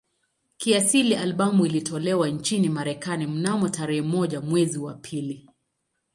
Kiasili albamu ilitolewa nchini Marekani mnamo tarehe moja mwezi wa pili